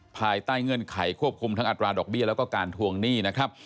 ภายใต้เงื่อนไขควบคุมทั้งอัตราดอกเบี้ยแล้วก็การทวงหนี้นะครับ